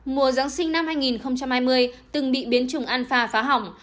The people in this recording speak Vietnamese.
mùa giáng sinh năm hai nghìn hai mươi từng bị biến chủng alpha phá hỏng